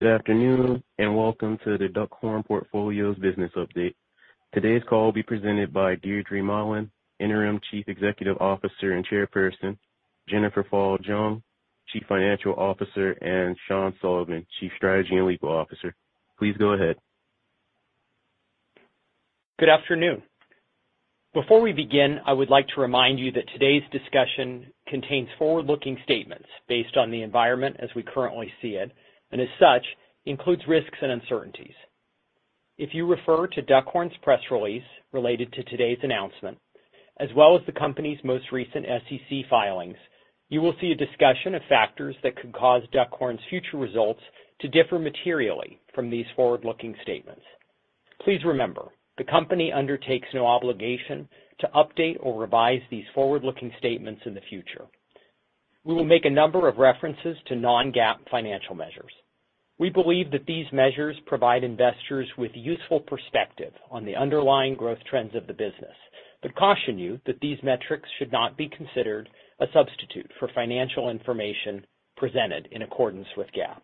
Good afternoon, and welcome to the Duckhorn Portfolio's business update. Today's call will be presented by Deirdre Mahlan, Interim Chief Executive Officer and Chairperson, Jennifer Fall Jung, Chief Financial Officer, and Sean Sullivan, Chief Strategy and Legal Officer. Please go ahead. Good afternoon. Before we begin, I would like to remind you that today's discussion contains forward-looking statements based on the environment as we currently see it, and as such, includes risks and uncertainties. If you refer to Duckhorn's press release related to today's announcement, as well as the company's most recent SEC filings, you will see a discussion of factors that could cause Duckhorn's future results to differ materially from these forward-looking statements. Please remember, the company undertakes no obligation to update or revise these forward-looking statements in the future. We will make a number of references to non-GAAP financial measures. We believe that these measures provide investors with useful perspective on the underlying growth trends of the business, but caution you that these metrics should not be considered a substitute for financial information presented in accordance with GAAP.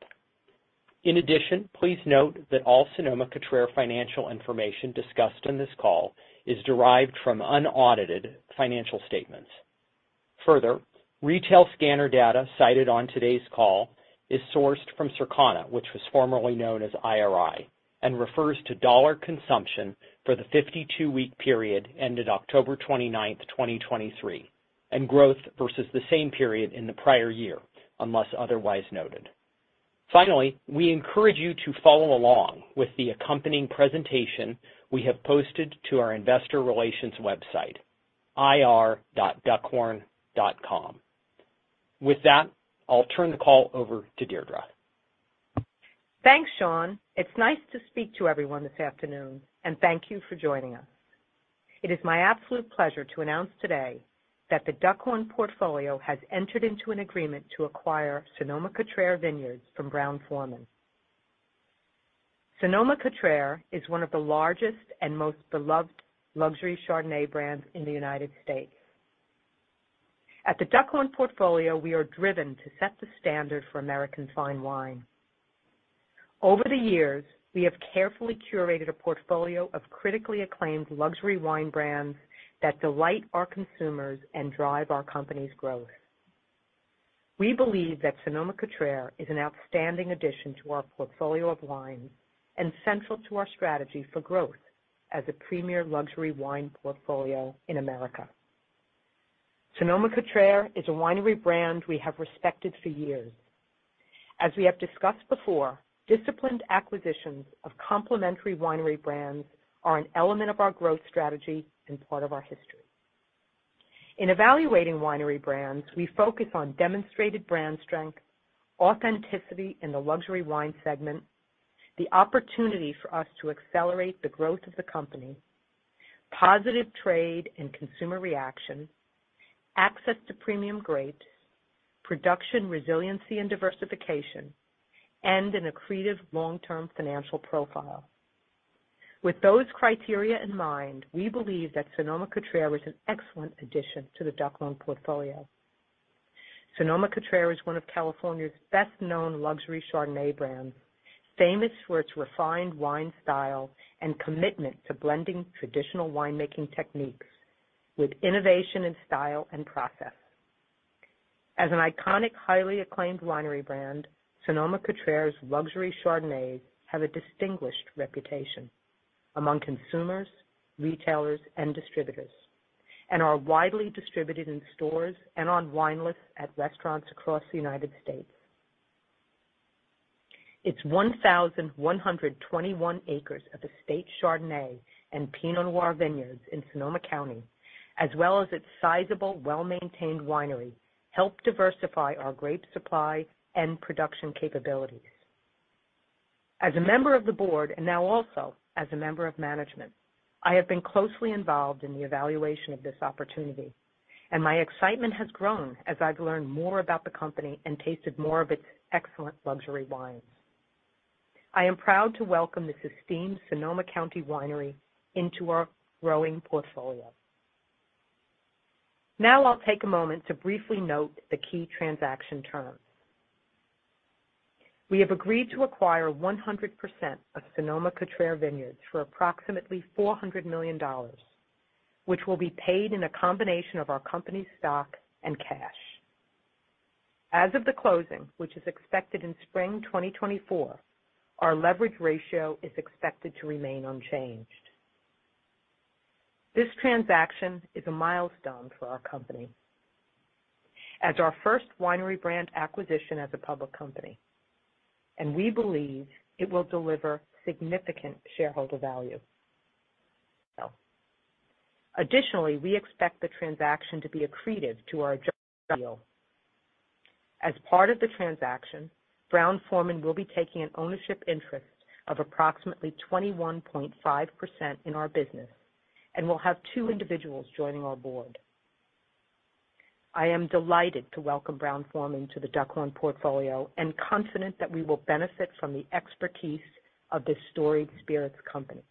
In addition, please note that all Sonoma-Cutrer financial information discussed in this call is derived from unaudited financial statements. Further, retail scanner data cited on today's call is sourced from Circana, which was formerly known as IRI, and refers to dollar consumption for the 52-week period, ended October 29th, 2023, and growth versus the same period in the prior year, unless otherwise noted. Finally, we encourage you to follow along with the accompanying presentation we have posted to our investor relations website, ir.duckhorn.com. With that, I'll turn the call over to Deirdre. Thanks, Sean. It's nice to speak to everyone this afternoon, and thank you for joining us. It is my absolute pleasure to announce today that the Duckhorn Portfolio has entered into an agreement to acquire Sonoma-Cutrer Vineyards from Brown-Forman. Sonoma-Cutrer is one of the largest and most beloved luxury Chardonnay brands in the United States. At the Duckhorn Portfolio, we are driven to set the standard for American fine wine. Over the years, we have carefully curated a portfolio of critically acclaimed luxury wine brands that delight our consumers and drive our company's growth. We believe that Sonoma-Cutrer is an outstanding addition to our portfolio of wines and central to our strategy for growth as a premier luxury wine portfolio in America. Sonoma-Cutrer is a winery brand we have respected for years. As we have discussed before, disciplined acquisitions of complementary winery brands are an element of our growth strategy and part of our history. In evaluating winery brands, we focus on demonstrated brand strength, authenticity in the luxury wine segment, the opportunity for us to accelerate the growth of the company, positive trade and consumer reaction, access to premium grapes, production resiliency and diversification, and an accretive long-term financial profile. With those criteria in mind, we believe that Sonoma-Cutrer is an excellent addition to the Duckhorn Portfolio. Sonoma-Cutrer is one of California's best-known luxury Chardonnay brands, famous for its refined wine style and commitment to blending traditional winemaking techniques with innovation and style and process. As an iconic, highly acclaimed winery brand, Sonoma-Cutrer's luxury Chardonnays have a distinguished reputation among consumers, retailers, and distributors, and are widely distributed in stores and on wine lists at restaurants across the United States. Its 1,121 acres of estate Chardonnay and Pinot Noir vineyards in Sonoma County, as well as its sizable, well-maintained winery, help diversify our grape supply and production capabilities. As a member of the board, and now also as a member of management, I have been closely involved in the evaluation of this opportunity, and my excitement has grown as I've learned more about the company and tasted more of its excellent luxury wines. I am proud to welcome this esteemed Sonoma County winery into our growing portfolio. Now, I'll take a moment to briefly note the key transaction terms. We have agreed to acquire 100% of Sonoma-Cutrer Vineyards for approximately $400 million, which will be paid in a combination of our company's stock and cash. As of the closing, which is expected in spring 2024, our leverage ratio is expected to remain unchanged. This transaction is a milestone for our company as our first winery brand acquisition as a public company, and we believe it will deliver significant shareholder value. Additionally, we expect the transaction to be accretive to our deal. As part of the transaction, Brown-Forman will be taking an ownership interest of approximately 21.5% in our business and will have two individuals joining our board. I am delighted to welcome Brown-Forman to the Duckhorn Portfolio and confident that we will benefit from the expertise of this storied spirits company....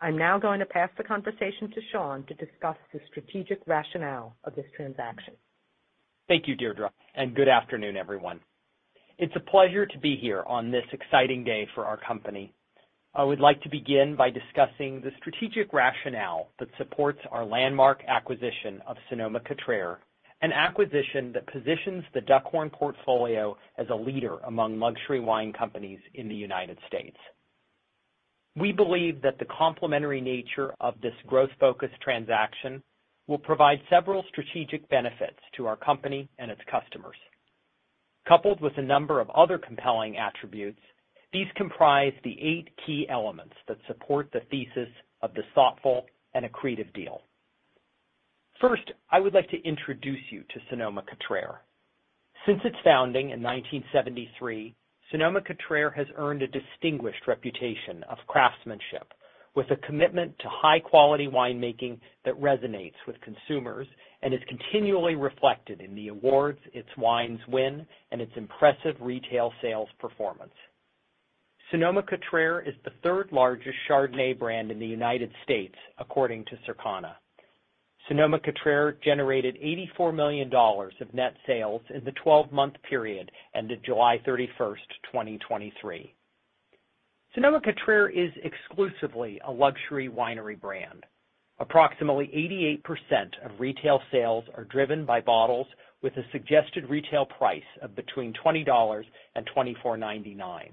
I'm now going to pass the conversation to Sean to discuss the strategic rationale of this transaction. Thank you, Deirdre, and good afternoon, everyone. It's a pleasure to be here on this exciting day for our company. I would like to begin by discussing the strategic rationale that supports our landmark acquisition of Sonoma-Cutrer, an acquisition that positions the Duckhorn Portfolio as a leader among luxury wine companies in the United States. We believe that the complementary nature of this growth-focused transaction will provide several strategic benefits to our company and its customers. Coupled with a number of other compelling attributes, these comprise the eight key elements that support the thesis of this thoughtful and accretive deal. First, I would like to introduce you to Sonoma-Cutrer. Since its founding in 1973, Sonoma-Cutrer has earned a distinguished reputation of craftsmanship, with a commitment to high-quality winemaking that resonates with consumers and is continually reflected in the awards its wines win and its impressive retail sales performance. Sonoma-Cutrer is the third-largest Chardonnay brand in the United States, according to Circana. Sonoma-Cutrer generated $84 million of net sales in the 12-month period ended July 31st, 2023. Sonoma-Cutrer is exclusively a luxury winery brand. Approximately 88% of retail sales are driven by bottles with a suggested retail price of between $20-$24.99,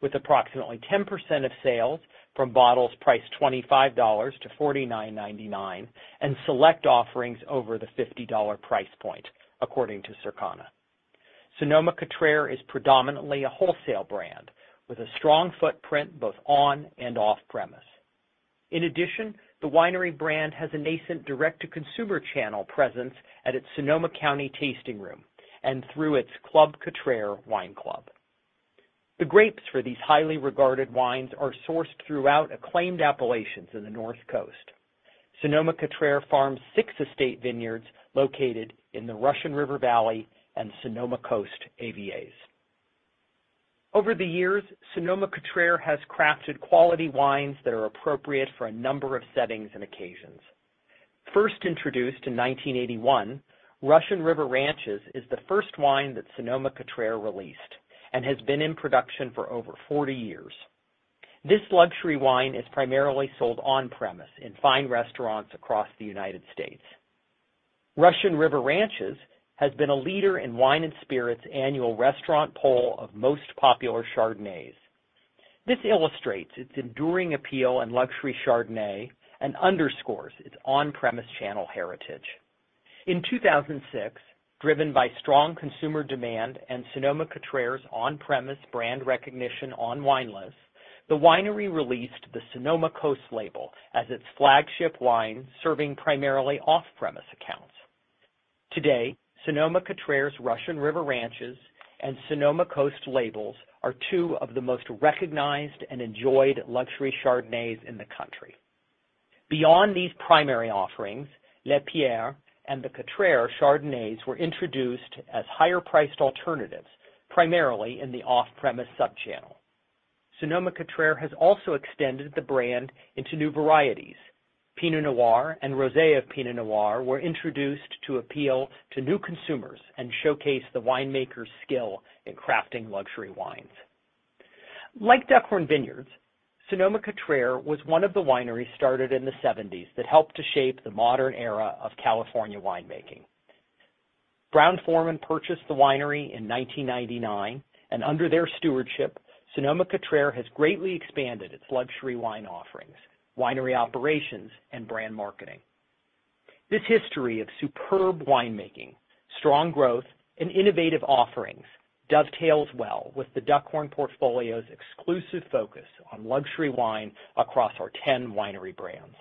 with approximately 10% of sales from bottles priced $25-$49.99, and select offerings over the $50 price point, according to Circana. Sonoma-Cutrer is predominantly a wholesale brand with a strong footprint, both on and off-premise. In addition, the winery brand has a nascent direct-to-consumer channel presence at its Sonoma County tasting room and through its Club Cutrer wine club. The grapes for these highly regarded wines are sourced throughout acclaimed appellations in the North Coast. Sonoma-Cutrer farms six estate vineyards located in the Russian River Valley and Sonoma Coast AVAs. Over the years, Sonoma-Cutrer has crafted quality wines that are appropriate for a number of settings and occasions. First introduced in 1981, Russian River Ranches is the first wine that Sonoma-Cutrer released and has been in production for over 40 years. This luxury wine is primarily sold on-premise in fine restaurants across the United States. Russian River Ranches has been a leader in Wine & Spirits annual restaurant poll of most popular Chardonnays. This illustrates its enduring appeal in luxury Chardonnay and underscores its on-premise channel heritage. In 2006, driven by strong consumer demand and Sonoma-Cutrer's on-premise brand recognition on wine lists, the winery released the Sonoma Coast label as its flagship wine, serving primarily off-premise accounts. Today, Sonoma-Cutrer's Russian River Ranches and Sonoma Coast labels are two of the most recognized and enjoyed luxury Chardonnays in the country. Beyond these primary offerings, Les Pierres and The Cutrer Chardonnays were introduced as higher-priced alternatives, primarily in the off-premise sub-channel. Sonoma-Cutrer has also extended the brand into new varieties. Pinot Noir and Rosé of Pinot Noir were introduced to appeal to new consumers and showcase the winemaker's skill in crafting luxury wines. Like Duckhorn Vineyards, Sonoma-Cutrer was one of the wineries started in the 1970s that helped to shape the modern era of California winemaking. Brown-Forman purchased the winery in 1999, and under their stewardship, Sonoma-Cutrer has greatly expanded its luxury wine offerings, winery operations, and brand marketing. This history of superb winemaking, strong growth, and innovative offerings dovetails well with the Duckhorn Portfolio's exclusive focus on luxury wine across our 10 winery brands.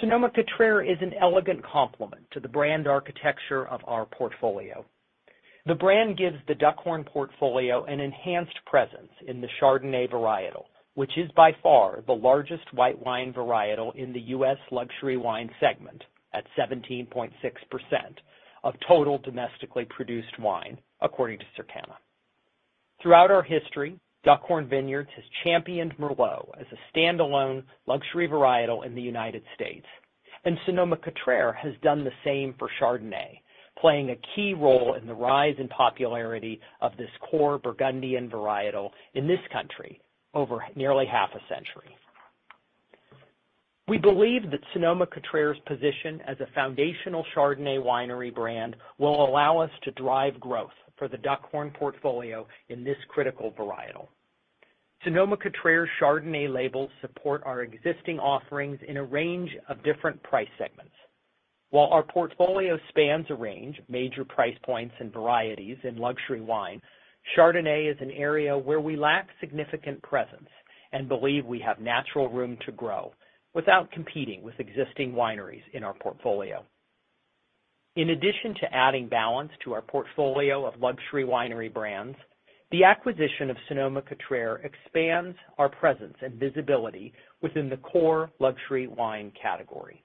Sonoma-Cutrer is an elegant complement to the brand architecture of our portfolio. The brand gives the Duckhorn portfolio an enhanced presence in the Chardonnay varietal, which is by far the largest white wine varietal in the U.S. luxury wine segment, at 17.6% of total domestically produced wine, according to Circana. Throughout our history, Duckhorn Vineyards has championed Merlot as a standalone luxury varietal in the United States, and Sonoma-Cutrer has done the same for Chardonnay, playing a key role in the rise in popularity of this core Burgundian varietal in this country over nearly half a century. We believe that Sonoma-Cutrer's position as a foundational Chardonnay winery brand will allow us to drive growth for the Duckhorn portfolio in this critical varietal. Sonoma-Cutrer's Chardonnay labels support our existing offerings in a range of different price segments. While our portfolio spans a range of major price points and varieties in luxury wine, Chardonnay is an area where we lack significant presence and believe we have natural room to grow without competing with existing wineries in our portfolio. In addition to adding balance to our portfolio of luxury winery brands, the acquisition of Sonoma-Cutrer expands our presence and visibility within the core luxury wine category.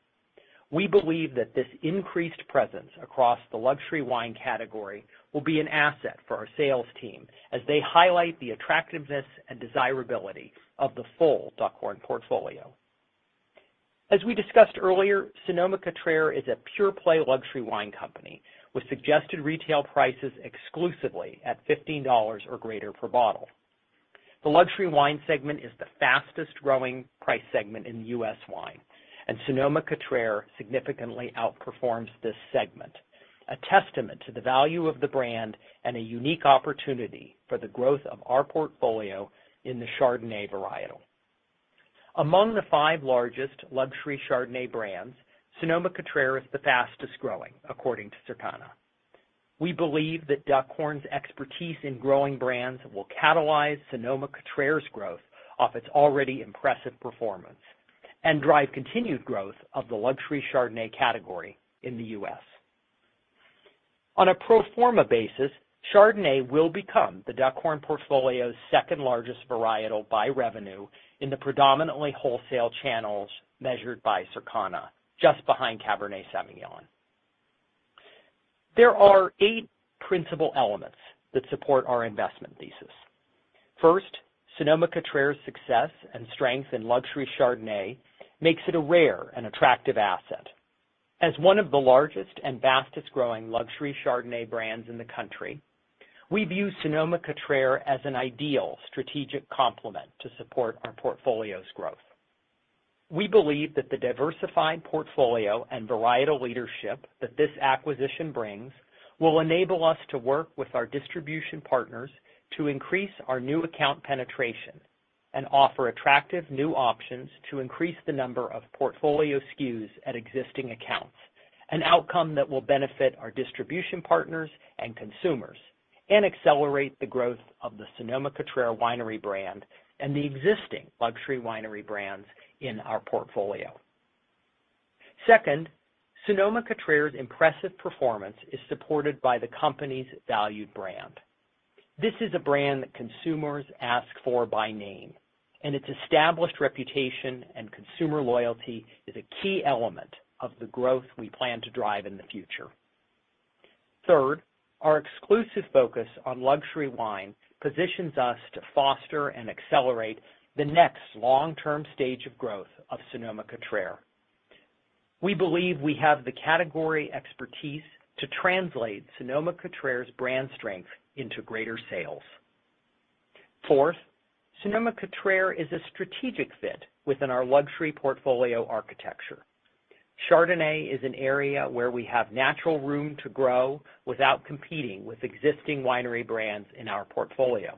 We believe that this increased presence across the luxury wine category will be an asset for our sales team as they highlight the attractiveness and desirability of the full Duckhorn Portfolio. As we discussed earlier, Sonoma-Cutrer is a pure play luxury wine company, with suggested retail prices exclusively at $15 or greater per bottle. The luxury wine segment is the fastest growing price segment in U.S. wine, and Sonoma-Cutrer significantly outperforms this segment, a testament to the value of the brand and a unique opportunity for the growth of our portfolio in the Chardonnay varietal. Among the five largest luxury Chardonnay brands, Sonoma-Cutrer is the fastest growing, according to Circana. We believe that Duckhorn's expertise in growing brands will catalyze Sonoma-Cutrer's growth off its already impressive performance and drive continued growth of the luxury Chardonnay category in the U.S. On a pro forma basis, Chardonnay will become the Duckhorn Portfolio's second-largest varietal by revenue in the predominantly wholesale channels measured by Circana, just behind Cabernet Sauvignon. There are eight principal elements that support our investment thesis. First, Sonoma-Cutrer's success and strength in luxury Chardonnay makes it a rare and attractive asset. As one of the largest and fastest growing luxury Chardonnay brands in the country, we view Sonoma-Cutrer as an ideal strategic complement to support our portfolio's growth. We believe that the diversified portfolio and varietal leadership that this acquisition brings will enable us to work with our distribution partners to increase our new account penetration and offer attractive new options to increase the number of portfolio SKUs at existing accounts, an outcome that will benefit our distribution partners and consumers, and accelerate the growth of the Sonoma-Cutrer Winery brand and the existing luxury winery brands in our portfolio. Second, Sonoma-Cutrer's impressive performance is supported by the company's valued brand. This is a brand that consumers ask for by name, and its established reputation and consumer loyalty is a key element of the growth we plan to drive in the future. Third, our exclusive focus on luxury wine positions us to foster and accelerate the next long-term stage of growth of Sonoma-Cutrer. We believe we have the category expertise to translate Sonoma-Cutrer's brand strength into greater sales. Fourth, Sonoma-Cutrer is a strategic fit within our luxury portfolio architecture. Chardonnay is an area where we have natural room to grow without competing with existing winery brands in our portfolio.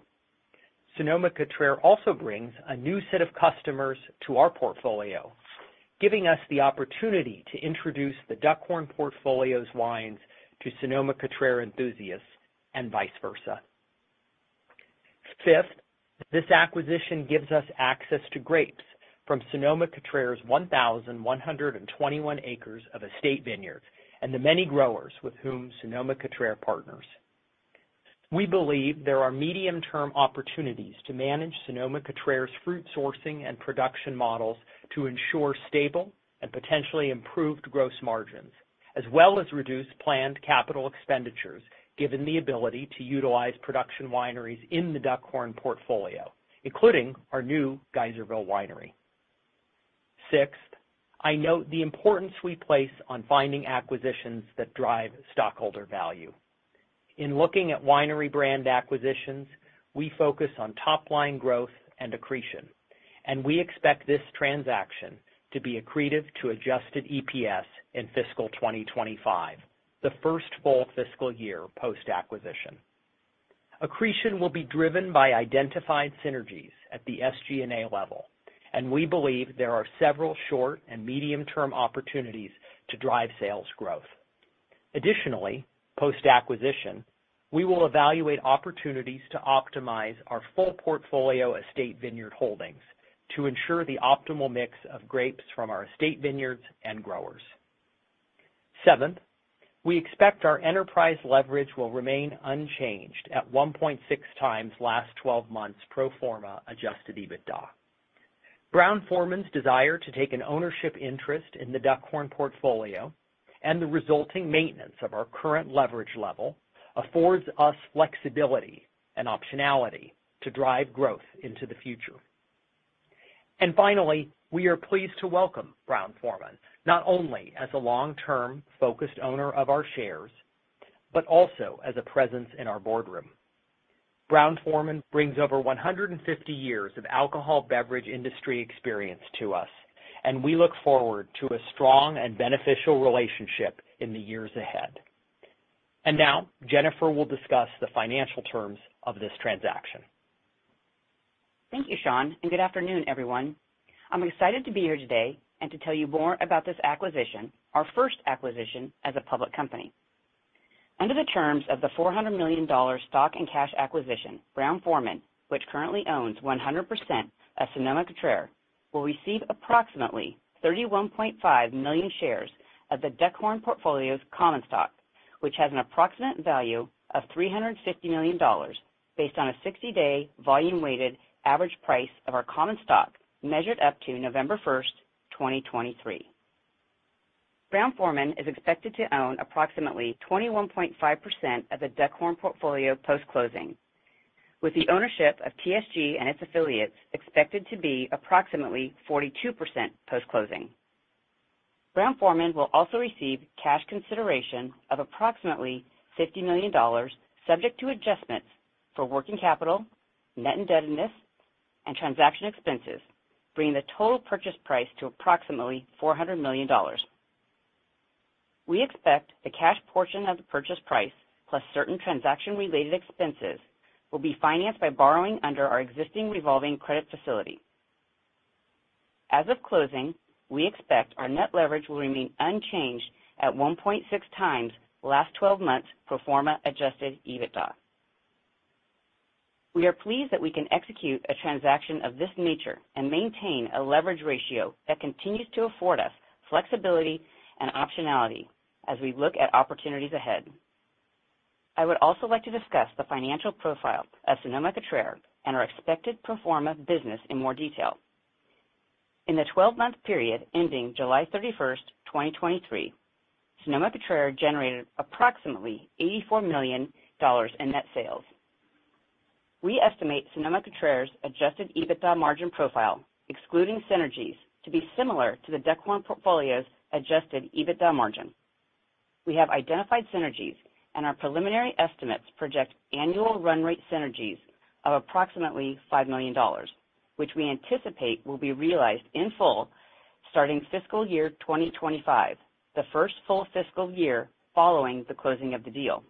Sonoma-Cutrer also brings a new set of customers to our portfolio, giving us the opportunity to introduce the Duckhorn Portfolio's wines to Sonoma-Cutrer enthusiasts and vice versa. Fifth, this acquisition gives us access to grapes from Sonoma-Cutrer's 1,121 acres of estate vineyards and the many growers with whom Sonoma-Cutrer partners. We believe there are medium-term opportunities to manage Sonoma-Cutrer's fruit sourcing and production models to ensure stable and potentially improved gross margins, as well as reduce planned capital expenditures, given the ability to utilize production wineries in the Duckhorn Portfolio, including our new Geyserville winery. Sixth, I note the importance we place on finding acquisitions that drive stockholder value. In looking at winery brand acquisitions, we focus on top line growth and accretion, and we expect this transaction to be accretive to adjusted EPS in fiscal 2025, the first full fiscal year post-acquisition. Accretion will be driven by identified synergies at the SG&A level, and we believe there are several short and medium-term opportunities to drive sales growth. Additionally, post-acquisition, we will evaluate opportunities to optimize our full portfolio estate vineyard holdings to ensure the optimal mix of grapes from our estate vineyards and growers. Seventh, we expect our enterprise leverage will remain unchanged at 1.6x last 12 months pro forma adjusted EBITDA. Brown-Forman's desire to take an ownership interest in the Duckhorn Portfolio and the resulting maintenance of our current leverage level affords us flexibility and optionality to drive growth into the future. And finally, we are pleased to welcome Brown-Forman, not only as a long-term focused owner of our shares, but also as a presence in our boardroom. Brown-Forman brings over 150 years of alcoholic beverage industry experience to us, and we look forward to a strong and beneficial relationship in the years ahead. And now Jennifer will discuss the financial terms of this transaction. Thank you, Sean, and good afternoon, everyone. I'm excited to be here today and to tell you more about this acquisition, our first acquisition as a public company. Under the terms of the $400 million stock and cash acquisition, Brown-Forman, which currently owns 100% of Sonoma-Cutrer, will receive approximately 31.5 million shares of the Duckhorn Portfolio's common stock, which has an approximate value of $350 million, based on a 60-day volume weighted average price of our common stock, measured up to November 1st, 2023. Brown-Forman is expected to own approximately 21.5% of the Duckhorn Portfolio post-closing, with the ownership of TSG and its affiliates expected to be approximately 42% post-closing. Brown-Forman will also receive cash consideration of approximately $50 million, subject to adjustments for working capital, net indebtedness, and transaction expenses, bringing the total purchase price to approximately $400 million. We expect the cash portion of the purchase price, plus certain transaction-related expenses, will be financed by borrowing under our existing revolving credit facility. As of closing, we expect our net leverage will remain unchanged at 1.6x last twelve months pro forma Adjusted EBITDA. We are pleased that we can execute a transaction of this nature and maintain a leverage ratio that continues to afford us flexibility and optionality as we look at opportunities ahead. I would also like to discuss the financial profile of Sonoma-Cutrer and our expected pro forma business in more detail. In the twelve-month period ending July 31st, 2023, Sonoma-Cutrer generated approximately $84 million in net sales. We estimate Sonoma-Cutrer's adjusted EBITDA margin profile, excluding synergies, to be similar to the Duckhorn Portfolio's adjusted EBITDA margin. We have identified synergies, and our preliminary estimates project annual run rate synergies of approximately $5 million, which we anticipate will be realized in full starting fiscal year 2025, the first full fiscal year following the closing of the deal.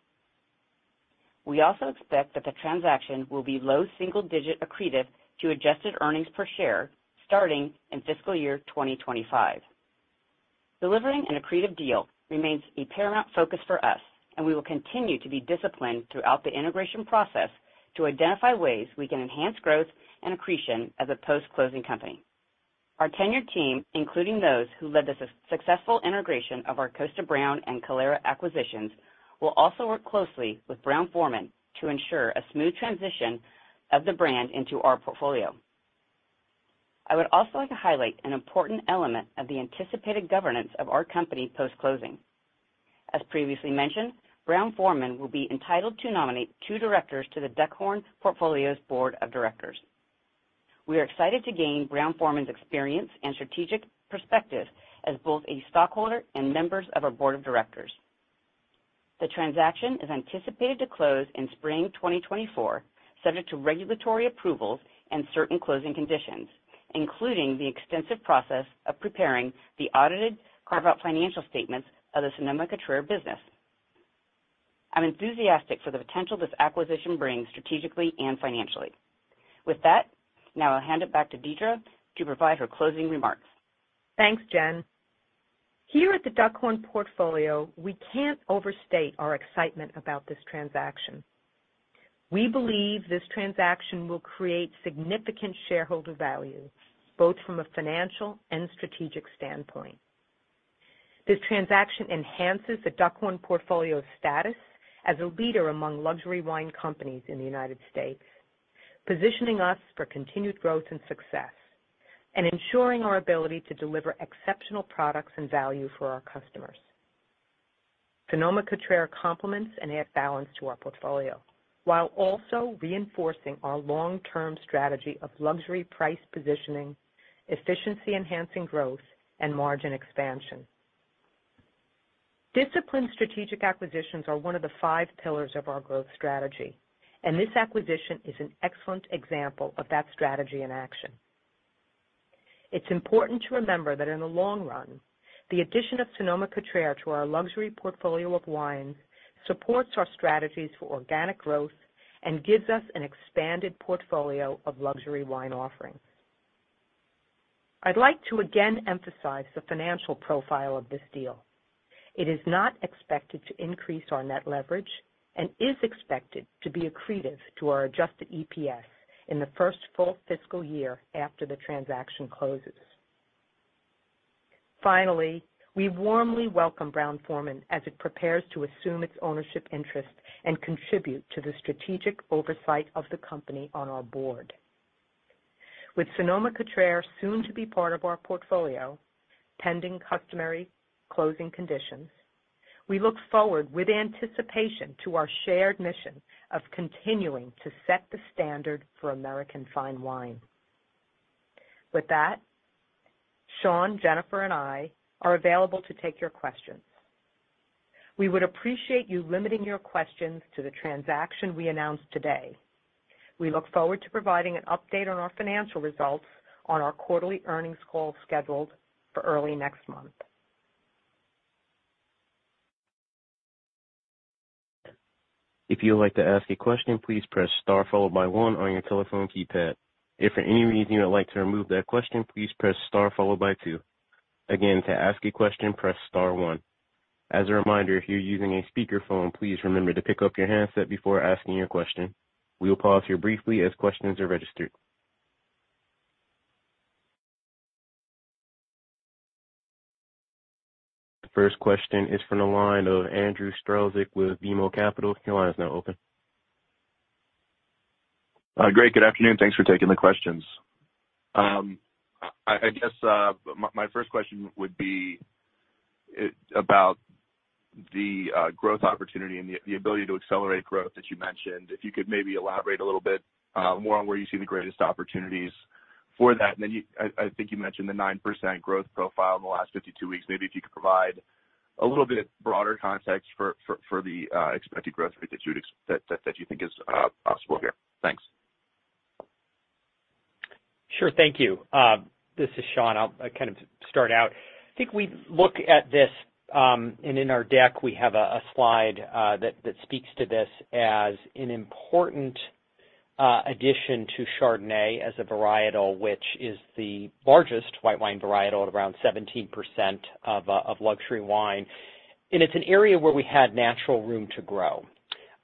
We also expect that the transaction will be low single digit accretive to adjusted earnings per share, starting in fiscal year 2025. Delivering an accretive deal remains a paramount focus for us, and we will continue to be disciplined throughout the integration process to identify ways we can enhance growth and accretion as a post-closing company. Our tenured team, including those who led the successful integration of our Kosta Browne and Calera acquisitions, will also work closely with Brown-Forman to ensure a smooth transition of the brand into our portfolio. I would also like to highlight an important element of the anticipated governance of our company post-closing. As previously mentioned, Brown-Forman will be entitled to nominate two directors to the Duckhorn Portfolio's Board of Directors. We are excited to gain Brown-Forman's experience and strategic perspective as both a stockholder and members of our board of directors. The transaction is anticipated to close in spring 2024, subject to regulatory approvals and certain closing conditions, including the extensive process of preparing the audited carve-out financial statements of the Sonoma-Cutrer business. I'm enthusiastic for the potential this acquisition brings strategically and financially. With that, now I'll hand it back to Deirdre to provide her closing remarks. Thanks, Jen. Here at the Duckhorn Portfolio, we can't overstate our excitement about this transaction. We believe this transaction will create significant shareholder value, both from a financial and strategic standpoint. This transaction enhances the Duckhorn Portfolio's status as a leader among luxury wine companies in the United States, positioning us for continued growth and success, and ensuring our ability to deliver exceptional products and value for our customers. Sonoma-Cutrer complements and add balance to our portfolio, while also reinforcing our long-term strategy of luxury price positioning, efficiency-enhancing growth, and margin expansion. Disciplined strategic acquisitions are one of the five pillars of our growth strategy, and this acquisition is an excellent example of that strategy in action. It's important to remember that in the long run, the addition of Sonoma-Cutrer to our luxury portfolio of wines supports our strategies for organic growth and gives us an expanded portfolio of luxury wine offerings. I'd like to again emphasize the financial profile of this deal. It is not expected to increase our net leverage and is expected to be accretive to our adjusted EPS in the first full fiscal year after the transaction closes. Finally, we warmly welcome Brown-Forman as it prepares to assume its ownership interest and contribute to the strategic oversight of the company on our board. With Sonoma-Cutrer soon to be part of our portfolio, pending customary closing conditions, we look forward with anticipation to our shared mission of continuing to set the standard for American fine wine. With that, Sean, Jennifer, and I are available to take your questions. We would appreciate you limiting your questions to the transaction we announced today. We look forward to providing an update on our financial results on our quarterly earnings call scheduled for early next month. If you would like to ask a question, please press star followed by one on your telephone keypad. If for any reason you would like to remove that question, please press star followed by two. Again, to ask a question, press star one. As a reminder, if you're using a speakerphone, please remember to pick up your handset before asking your question. We will pause here briefly as questions are registered.... First question is from the line of Andrew Strelzik with BMO Capital. Your line is now open. Great. Good afternoon. Thanks for taking the questions. I guess my first question would be about the growth opportunity and the ability to accelerate growth that you mentioned. If you could maybe elaborate a little bit more on where you see the greatest opportunities for that. And then I think you mentioned the 9% growth profile in the last 52 weeks. Maybe if you could provide a little bit broader context for the expected growth rate that you think is possible here. Thanks. Sure. Thank you. This is Sean. I'll kind of start out. I think we look at this, and in our deck, we have a slide that speaks to this as an important addition to Chardonnay as a varietal, which is the largest white wine varietal at around 17% of luxury wine. And it's an area where we had natural room to grow.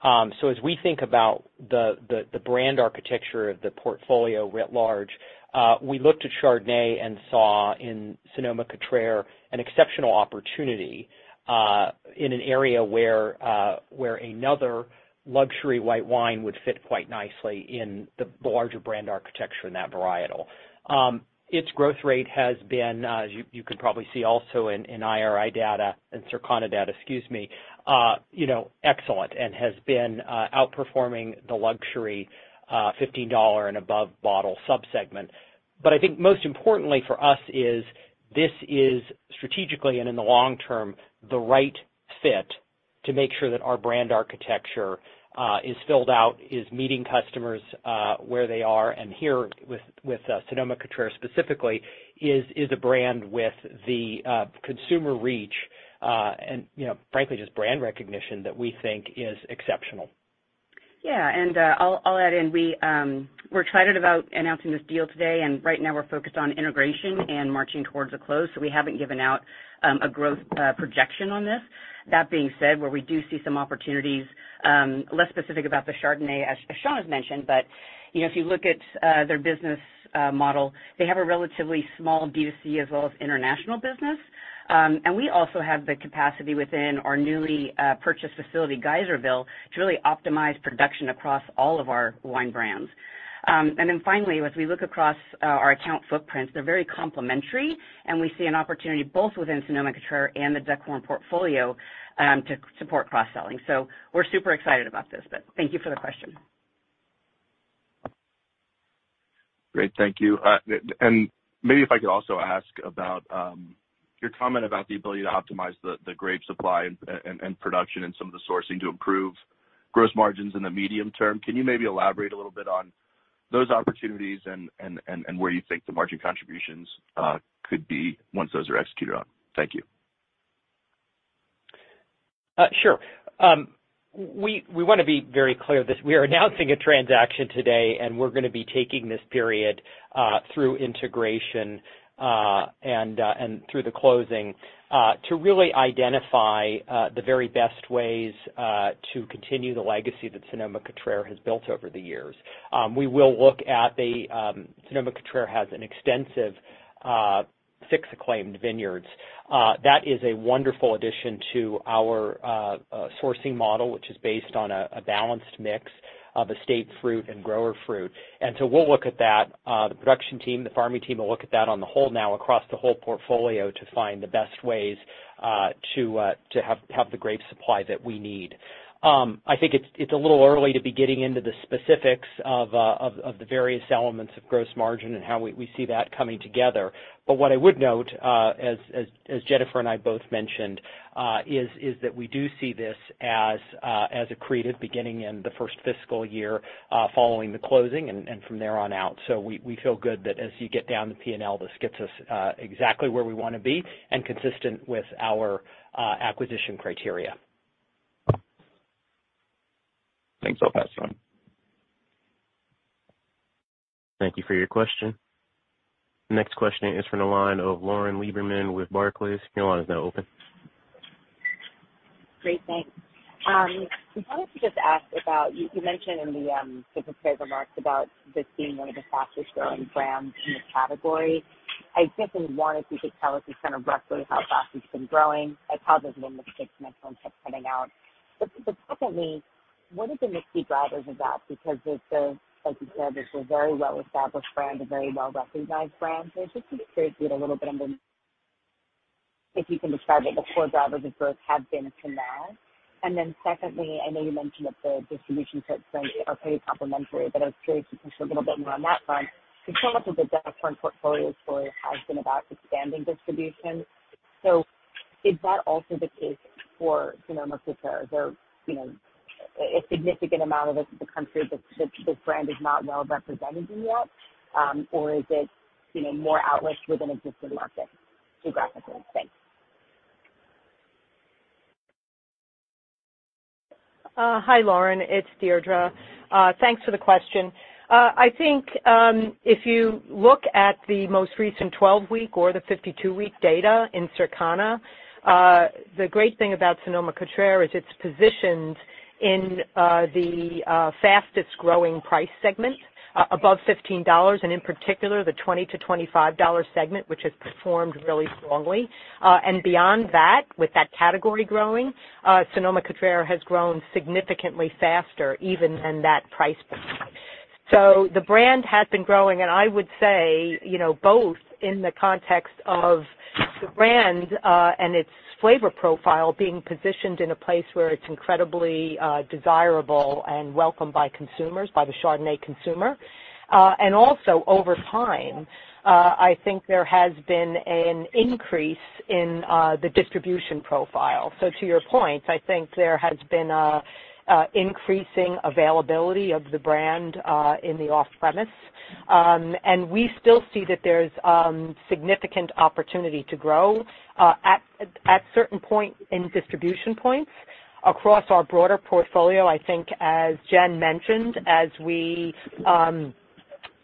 So as we think about the brand architecture of the portfolio writ large, we looked at Chardonnay and saw in Sonoma-Cutrer an exceptional opportunity, in an area where another luxury white wine would fit quite nicely in the larger brand architecture in that varietal. Its growth rate has been, you can probably see also in IRI data and Circana data, excuse me, you know, excellent, and has been outperforming the luxury $15 and above bottle subsegment. But I think most importantly for us is, this is strategically and in the long term, the right fit to make sure that our brand architecture is filled out, is meeting customers where they are, and here with Sonoma-Cutrer specifically is a brand with the consumer reach, and, you know, frankly, just brand recognition that we think is exceptional. Yeah, and I'll add in, we're excited about announcing this deal today, and right now we're focused on integration and marching towards a close, so we haven't given out a growth projection on this. That being said, where we do see some opportunities, less specific about the Chardonnay, as Sean has mentioned, but you know, if you look at their business model, they have a relatively small D2C as well as international business. We also have the capacity within our newly purchased facility, Geyserville, to really optimize production across all of our wine brands. Then finally, as we look across our account footprints, they're very complementary, and we see an opportunity both within Sonoma-Cutrer and the Duckhorn portfolio to support cross-selling. So we're super excited about this, but thank you for the question. Great, thank you. Maybe if I could also ask about your comment about the ability to optimize the grape supply and production and some of the sourcing to improve gross margins in the medium term. Can you maybe elaborate a little bit on those opportunities and where you think the margin contributions could be once those are executed on? Thank you. Sure. We want to be very clear that we are announcing a transaction today, and we're going to be taking this period through integration and through the closing to really identify the very best ways to continue the legacy that Sonoma-Cutrer has built over the years. We will look at the Sonoma-Cutrer has an extensive six acclaimed vineyards. That is a wonderful addition to our sourcing model, which is based on a balanced mix of estate fruit and grower fruit. And so we'll look at that. The production team, the farming team, will look at that on the whole now, across the whole portfolio, to find the best ways to have the grape supply that we need. I think it's a little early to be getting into the specifics of the various elements of gross margin and how we see that coming together. But what I would note, as Jennifer and I both mentioned, is that we do see this as accretive beginning in the first fiscal year following the closing and from there on out. So we feel good that as you get down the P&L, this gets us exactly where we want to be and consistent with our acquisition criteria. Thanks. I'll pass it on. Thank you for your question. Next question is from the line of Lauren Lieberman with Barclays. Your line is now open. Great, thanks. I wanted to just ask about, you, you mentioned in the prepared remarks about this being one of the fastest growing brands in the category. I guess, I was wondering if you could tell us just kind of roughly how fast it's been growing, like how there's been mistakes in my phone kept cutting out. But, but secondly, what are the key drivers of that? Because it's a, like you said, it's a very well-established brand, a very well-recognized brand. So just curious to get a little bit on the, if you can describe it, the core drivers of growth have been to now. And then secondly, I know you mentioned that the distribution footprints are pretty complementary, but I was curious if you could share a little bit more on that front. Because some of the Duckhorn Portfolio story has been about expanding distribution. So is that also the case for Sonoma-Cutrer? Is there, you know, a significant amount of the country that this brand is not well represented in yet? Or is it, you know, more outlets within existing markets, geographically? Thanks. Hi, Lauren, it's Deirdre. Thanks for the question. I think, if you look at the most recent 12-week or the 52-week data in Circana, the great thing about Sonoma-Cutrer is it's positioned in the fastest growing price segment above $15, and in particular, the $20-$25 segment, which has performed really strongly. And beyond that, with that category growing, Sonoma-Cutrer has grown significantly faster even than that price point. So the brand has been growing, and I would say, you know, both in the context of the brand, and its flavor profile being positioned in a place where it's incredibly desirable and welcomed by consumers, by the Chardonnay consumer. And also, over time, I think there has been an increase in the distribution profile. So to your point, I think there has been an increasing availability of the brand in the off-premise. And we still see that there's significant opportunity to grow at certain point in distribution points across our broader portfolio. I think, as Jen mentioned, as we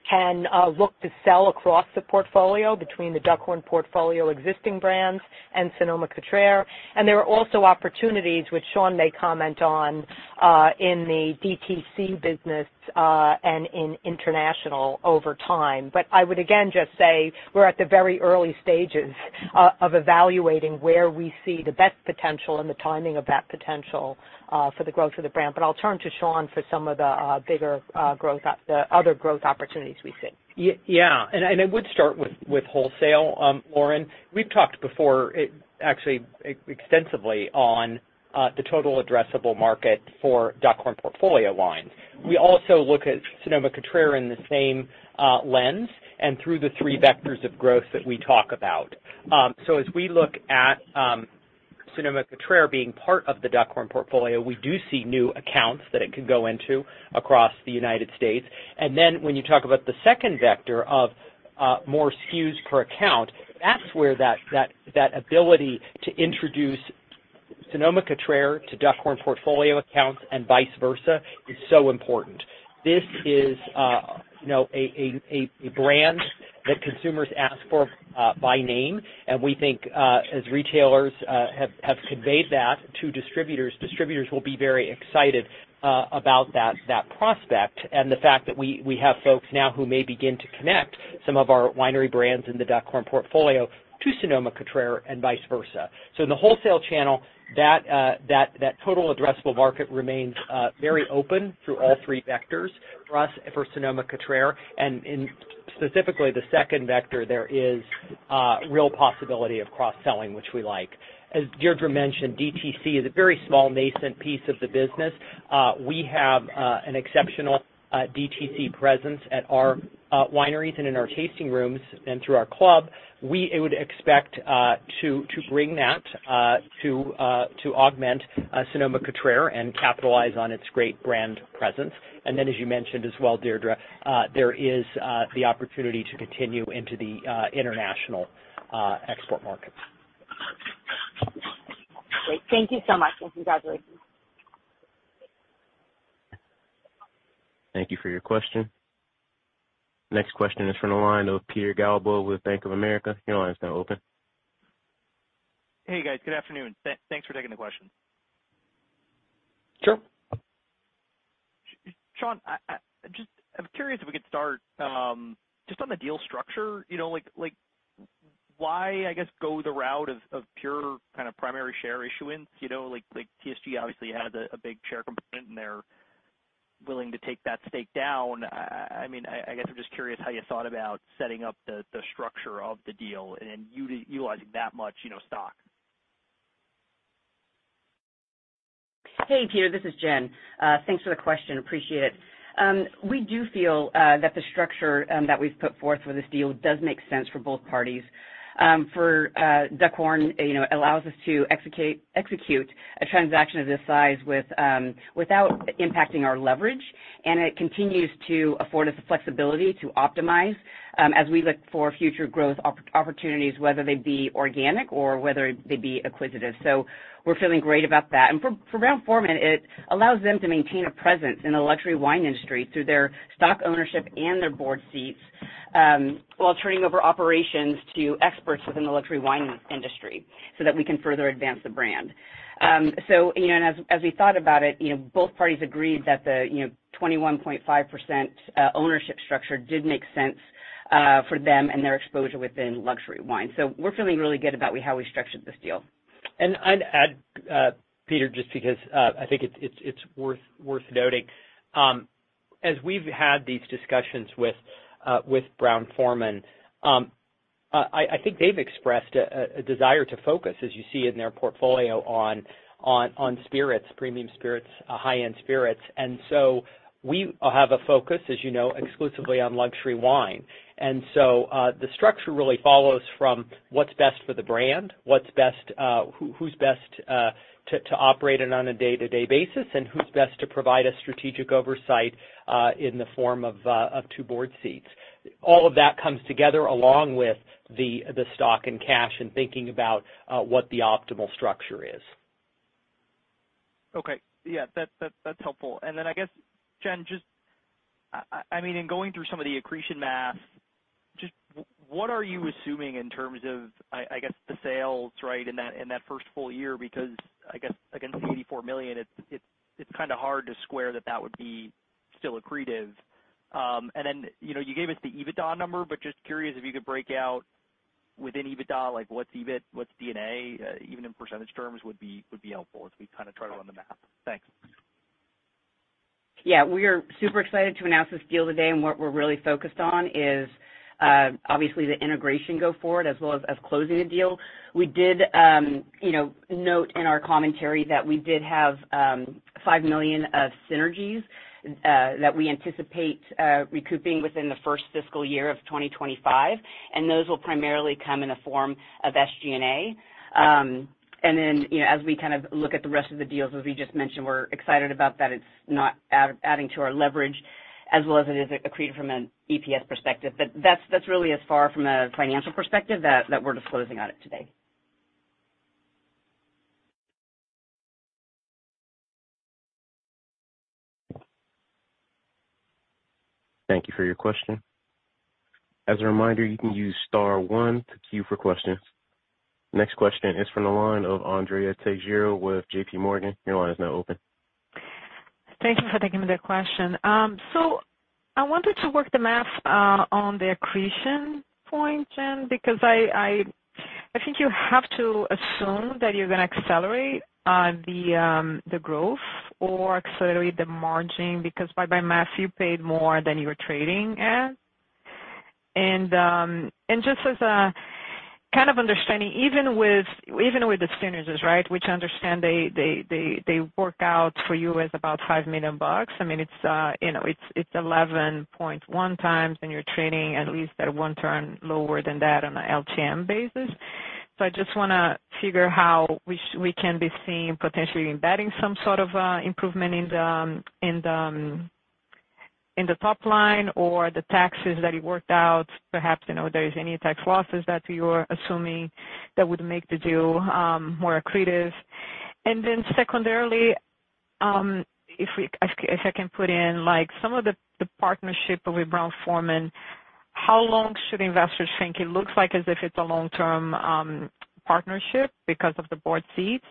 can look to sell across the portfolio between the Duckhorn Portfolio existing brands and Sonoma-Cutrer, and there are also opportunities, which Sean may comment on, in the DTC business and in international over time. But I would again just say we're at the very early stages of evaluating where we see the best potential and the timing of that potential for the growth of the brand. But I'll turn to Sean for some of the bigger, the other growth opportunities we see. Yeah, and I would start with wholesale, Lauren. We've talked before, actually extensively on the total addressable market for Duckhorn Portfolio lines. We also look at Sonoma-Cutrer in the same lens and through the three vectors of growth that we talk about. So as we look at Sonoma-Cutrer being part of the Duckhorn Portfolio, we do see new accounts that it can go into across the United States. And then when you talk about the second vector of more SKUs per account, that's where that ability to introduce Sonoma-Cutrer to Duckhorn Portfolio accounts and vice versa is so important. This is, you know, a brand that consumers ask for by name, and we think as retailers have conveyed that to distributors, distributors will be very excited about that prospect and the fact that we have folks now who may begin to connect some of our winery brands in the Duckhorn Portfolio to Sonoma-Cutrer and vice versa. So in the Wholesale Channel, that total addressable market remains very open through all three vectors for us, for Sonoma-Cutrer. And in specifically the second vector, there is real possibility of cross-selling, which we like. As Deirdre mentioned, DTC is a very small, nascent piece of the business. We have an exceptional DTC presence at our wineries and in our tasting rooms and through our club. We would expect to bring that to augment Sonoma-Cutrer and capitalize on its great brand presence. And then, as you mentioned as well, Deirdre, there is the opportunity to continue into the international export markets. Great. Thank you so much, and congratulations. Thank you for your question. Next question is from the line of Peter Galbo with Bank of America. Your line is now open. Hey, guys. Good afternoon. Thanks for taking the question. Sure. I just, I'm curious if we could start, just on the deal structure. You know, like, like, why, I guess, go the route of, of pure kind of primary share issuance? You know, like, like, TSG obviously had a big share component, and they're willing to take that stake down. I mean, I guess I'm just curious how you thought about setting up the structure of the deal and then utilizing that much, you know, stock. Hey, Peter, this is Jen. Thanks for the question. Appreciate it. We do feel that the structure that we've put forth for this deal does make sense for both parties. For Duckhorn, you know, it allows us to execute a transaction of this size with, without impacting our leverage, and it continues to afford us the flexibility to optimize as we look for future growth opportunities, whether they be organic or whether they be acquisitive. So we're feeling great about that. And for Brown-Forman, it allows them to maintain a presence in the luxury wine industry through their stock ownership and their board seats while turning over operations to experts within the luxury wine industry, so that we can further advance the brand. As we thought about it, you know, both parties agreed that the, you know, 21.5% ownership structure did make sense for them and their exposure within luxury wine. So we're feeling really good about how we structured this deal. I'd add, Peter, just because I think it's worth noting. As we've had these discussions with Brown-Forman, I think they've expressed a desire to focus, as you see in their portfolio, on spirits, premium spirits, high-end spirits. And so we have a focus, as you know, exclusively on luxury wine. And so, the structure really follows from what's best for the brand, what's best, who's best to operate it on a day-to-day basis, and who's best to provide a strategic oversight, in the form of two board seats. All of that comes together, along with the stock and cash, in thinking about what the optimal structure is.... Okay. Yeah, that's helpful. Then I guess, Jen, just, I mean, in going through some of the accretion math, just what are you assuming in terms of, I guess, the sales, right, in that first full year? Because I guess, against the $84 million, it's kind of hard to square that that would be still accretive. You know, you gave us the EBITDA number, but just curious if you could break out within EBITDA, like, what's EBIT, what's D&A, even in percentage terms, would be helpful as we kind of try to run the math. Thanks. Yeah, we are super excited to announce this deal today, and what we're really focused on is obviously the integration go forward as well as closing the deal. We did, you know, note in our commentary that we did have $5 million of synergies that we anticipate recouping within the first fiscal year of 2025, and those will primarily come in the form of SG&A. And then, you know, as we kind of look at the rest of the deals, as we just mentioned, we're excited about that it's not adding to our leverage as well as it is accretive from an EPS perspective. But that's really as far from a financial perspective that we're disclosing on it today. Thank you for your question. As a reminder, you can use star one to queue for questions. Next question is from the line of Andrea Teixeira with JPMorgan. Your line is now open. Thank you for taking the question. So I wanted to work the math on the accretion point, Jen, because I think you have to assume that you're gonna accelerate the growth or accelerate the margin, because by my math, you paid more than you were trading at. And just as a kind of understanding, even with the synergies, right, which I understand they work out for you as about $5 million. I mean, it's, you know, it's 11.1x, and you're trading at least at one turn lower than that on a LTM basis. So I just wanna figure how we can be seeing potentially embedding some sort of improvement in the top line or the taxes that it worked out. Perhaps, you know, there is any tax losses that you're assuming that would make the deal, more accretive. And then secondarily, if I can put in, like, some of the partnership with Brown-Forman, how long should investors think it looks like as if it's a long-term, partnership because of the board seats?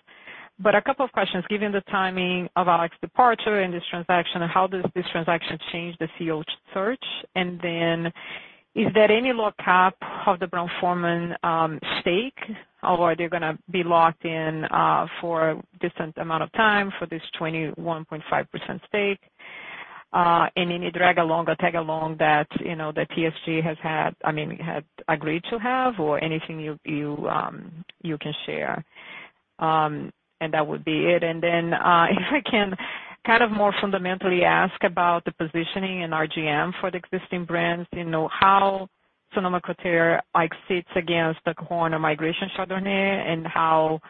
But a couple of questions, given the timing of Alex's departure and this transaction, how does this transaction change the CEO search? And then, is there any lockup of the Brown-Forman, stake, or are they gonna be locked in, for a decent amount of time for this 21.5% stake? And any drag along or tag along that, you know, that TSG has had, I mean, had agreed to have or anything you can share. And that would be it. If I can kind of more fundamentally ask about the positioning in RGM for the existing brands, you know, how Sonoma-Cutrer, like, sits against the core Migration Chardonnay, and how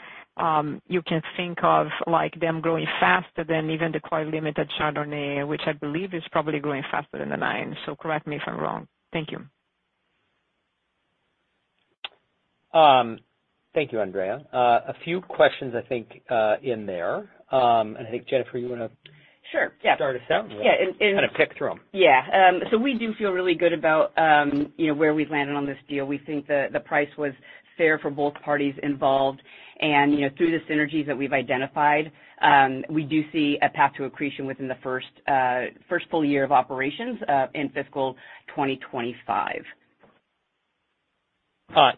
you can think of, like, them growing faster than even the Decoy Limited Chardonnay, which I believe is probably growing faster than the nine. So correct me if I'm wrong. Thank you. Thank you, Andrea. A few questions, I think, in there. And I think, Jennifer, you wanna- Sure, yeah. Start us out? Yeah, and Kind of pick through them. Yeah. So we do feel really good about, you know, where we've landed on this deal. We think the price was fair for both parties involved, and, you know, through the synergies that we've identified, we do see a path to accretion within the first full year of operations, in fiscal 2025.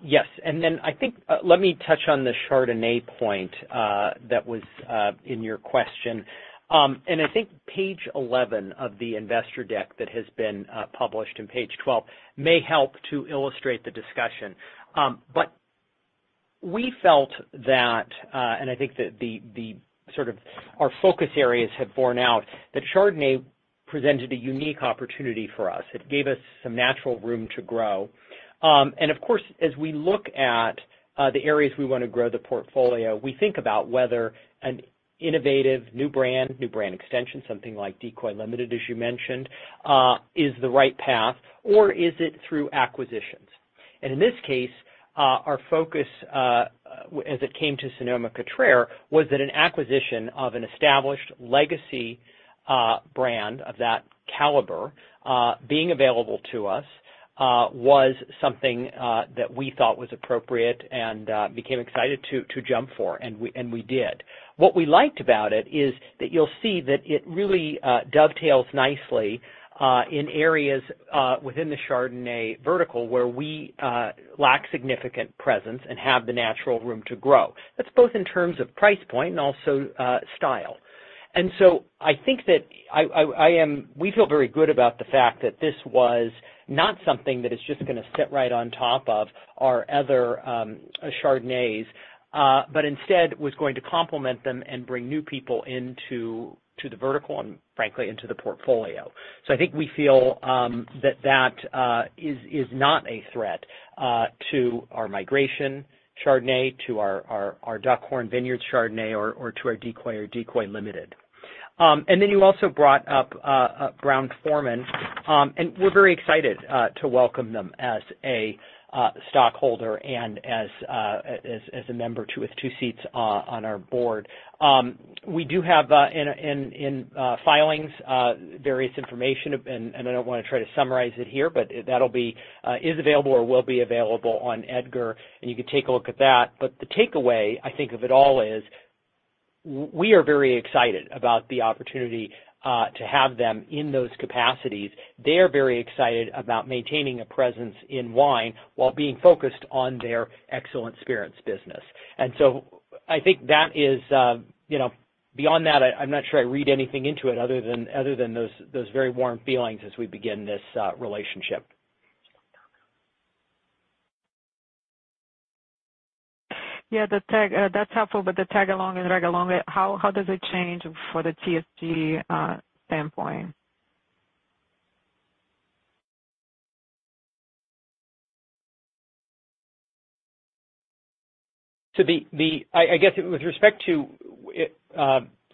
Yes, and then I think, let me touch on the Chardonnay point, that was, in your question. And I think page 11 of the investor deck that has been, published, and page 12 may help to illustrate the discussion. But we felt that, and I think that the, the sort of our focus areas have borne out, that Chardonnay presented a unique opportunity for us. It gave us some natural room to grow. And of course, as we look at, the areas we want to grow the portfolio, we think about whether an innovative new brand, new brand extension, something like Decoy Limited, as you mentioned, is the right path, or is it through acquisitions? And in this case, our focus, as it came to Sonoma-Cutrer, was that an acquisition of an established legacy brand of that caliber, being available to us, was something that we thought was appropriate and became excited to jump for, and we did. What we liked about it is that you'll see that it really dovetails nicely in areas within the Chardonnay vertical, where we lack significant presence and have the natural room to grow. That's both in terms of price point and also style. And so I think that I am—we feel very good about the fact that this was not something that is just gonna sit right on top of our other Chardonnays, but instead was going to complement them and bring new people into the vertical and frankly, into the portfolio. So I think we feel that is not a threat to our Migration Chardonnay, to our Duckhorn Vineyards Chardonnay or to our Decoy or Decoy Limited. And then you also brought up Brown-Forman. And we're very excited to welcome them as a stockholder and as a member to with two seats on our board. We do have in filings various information, and I don't wanna try to summarize it here, but that is available or will be available on EDGAR, and you can take a look at that. But the takeaway, I think, of it all is, we are very excited about the opportunity to have them in those capacities. They are very excited about maintaining a presence in wine while being focused on their excellent spirits business. And so I think that is, you know, beyond that, I'm not sure I read anything into it other than those very warm feelings as we begin this relationship. Yeah, the tag, that's helpful, but the tag along and drag along, how, how does it change for the TSG standpoint? So I guess with respect to,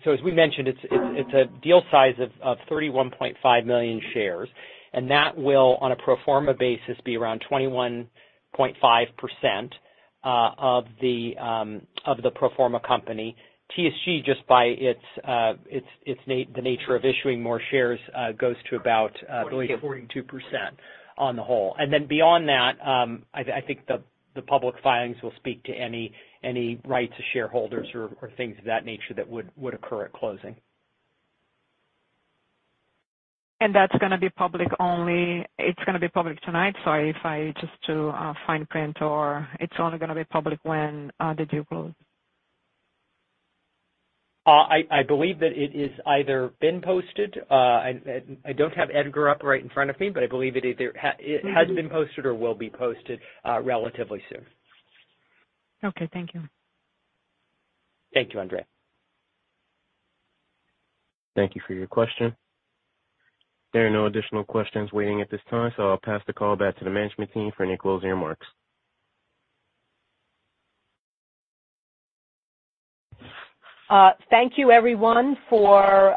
so as we mentioned, it's a deal size of 31.5 million shares, and that will, on a pro forma basis, be around 21.5% of the pro forma company. TSG, just by its, the nature of issuing more shares, goes to about, I believe, 42% on the whole. And then beyond that, I think the public filings will speak to any rights of shareholders or things of that nature that would occur at closing. That's gonna be public only, it's gonna be public tonight, so if I just do fine print, or it's only gonna be public when the deal closes? I believe that it is either been posted, I don't have EDGAR up right in front of me, but I believe it either it has been posted or will be posted, relatively soon. Okay. Thank you. Thank you, Andrea. Thank you for your question. There are no additional questions waiting at this time, so I'll pass the call back to the management team for any closing remarks. Thank you everyone for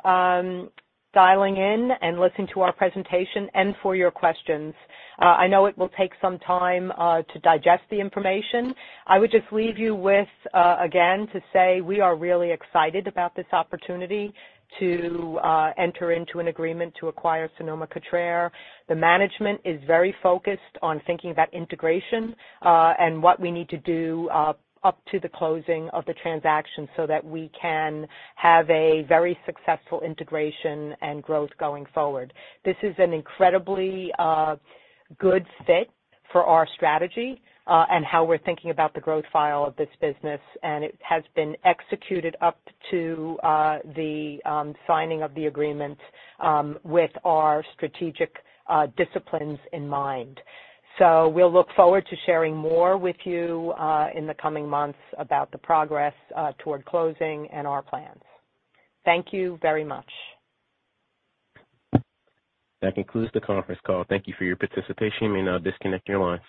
dialing in and listening to our presentation and for your questions. I know it will take some time to digest the information. I would just leave you with again to say we are really excited about this opportunity to enter into an agreement to acquire Sonoma-Cutrer. The management is very focused on thinking about integration and what we need to do up to the closing of the transaction so that we can have a very successful integration and growth going forward. This is an incredibly good fit for our strategy and how we're thinking about the growth profile of this business, and it has been executed up to the signing of the agreement with our strategic disciplines in mind. So we'll look forward to sharing more with you, in the coming months about the progress, toward closing and our plans. Thank you very much. That concludes the conference call. Thank you for your participation. You may now disconnect your lines.